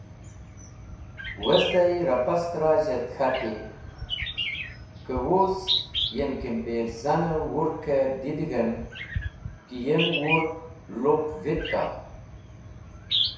Wezdey ra pastrazh et k̃hati ko wuz yem kimpirzan-e wurk e didigg̃him ki yem wurk lup vitk a.